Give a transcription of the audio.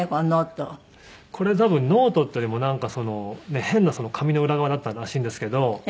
これ多分ノートっていうよりもなんか変な紙の裏側だったらしいんですけど。